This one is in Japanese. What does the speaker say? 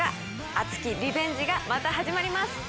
熱きリベンジがまた始まります。